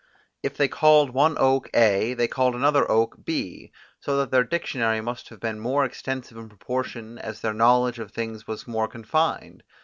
If they called one oak A, they called another oak B: so that their dictionary must have been more extensive in proportion as their knowledge of things was more confined.